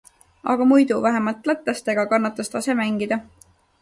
Aga muidu vähemalt lätlastega kannatas tase mängida.